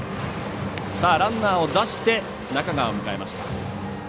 ランナーを出して中川を迎えました。